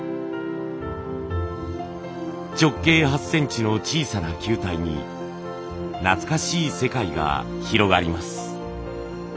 直径８センチの小さな球体に懐かしい世界が広がります。